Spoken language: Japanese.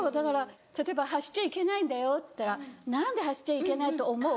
例えば走っちゃいけないんだよっていったら何で走っちゃいけないと思う？